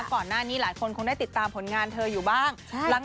ก่อนหน้านี้หลายคนคงได้ติดตามผลงานเธออยู่บ้าง